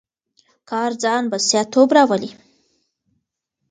کار ځان بسیا توب راولي.